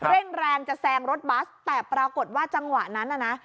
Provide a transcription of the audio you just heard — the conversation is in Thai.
เร่งแรงจะแซงรถบัสแต่ปรากฏว่าจังหวะนั้นน่ะนะ